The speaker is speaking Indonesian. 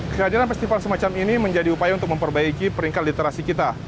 kehadiran festival semacam ini menjadi upaya untuk memperbaiki peringkat literasi kita